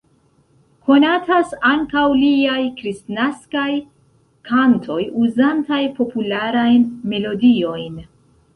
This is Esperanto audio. Konatas ankaŭ liaj kristnaskaj kantoj uzantaj popularajn melodiojn.